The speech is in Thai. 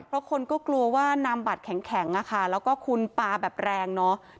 เพราะคนก็กลัวว่านำบัตรแข็งแล้วก็คุณปลาแบบแรงเนอะ